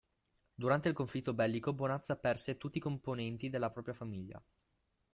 Durante il conflitto bellico Bonazza perse tutti i componenti della propria famiglia.